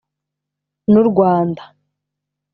n’u Rwanda